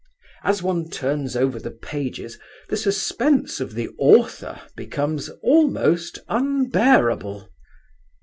As one turns over the pages, the suspense of the author becomes almost unbearable.